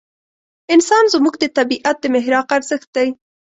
انسان زموږ د طبعیت د محراق ارزښت دی.